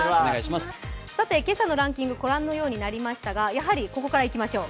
今朝のランキング、ご覧のようになりましたが、やはり、ここからいきましょう。